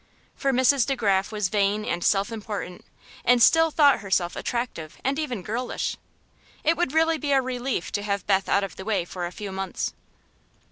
For Mrs. De Graf was vain and self important, and still thought herself attractive and even girlish. It would really be a relief to have Beth out of the way for a few months.